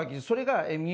それが。